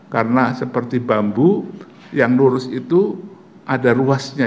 karena seperti bambu yang lurus itu ada ruasnya